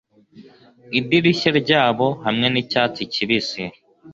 Idirishya ryabo hamwe nicyatsi kibisi